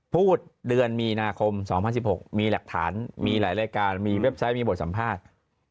เดือนมีนาคม๒๐๑๖มีหลักฐานมีหลายรายการมีเว็บไซต์มีบทสัมภาษณ์